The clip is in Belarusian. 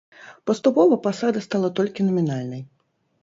Паступова пасада стала толькі намінальнай.